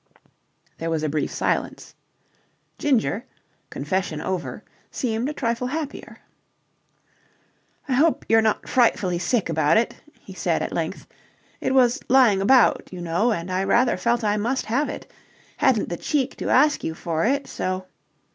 There was a brief silence. Ginger, confession over, seemed a trifle happier. "I hope you're not frightfully sick about it?" he said at length. "It was lying about, you know, and I rather felt I must have it. Hadn't the cheek to ask you for it, so..."